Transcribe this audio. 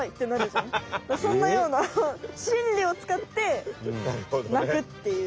そんなようなしんりを使って泣くっていう。